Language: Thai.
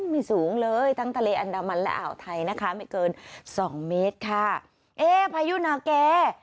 ไม่สูงเลยทั้งทะเลอันดามันและอ่าวไทยนะคะไม่เกินสองเมตรค่ะเอ๊พายุนาแก่